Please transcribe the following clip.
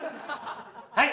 はい！